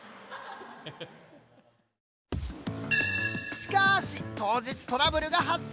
しかし当日トラブルが発生！